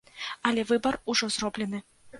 Але выбар ужо зроблены.